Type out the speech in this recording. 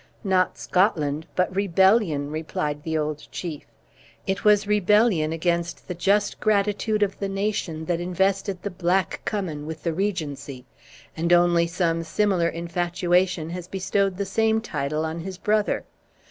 "Not Scotland, but rebellion," replied the old chief. "It was rebellion against the just gratitude of the nation that invested the Black Cummin with the regency; and only some similar infatuation has bestowed the same title on his brother.